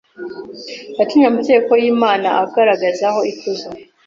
yatumye amategeko y’Imana agaragaraho ikuzo.